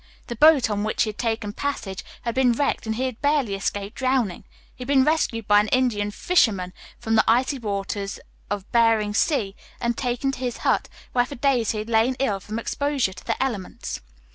The boat on which he had taken passage had been wrecked and he had barely escaped drowning. He had been rescued by an Indian fisherman from the icy waters of Bering Sea, and taken to his hut, where for days he had lain ill from exposure to the elements.